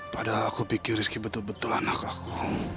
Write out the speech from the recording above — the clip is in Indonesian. padahal aku pikir rizky betul betul anak aku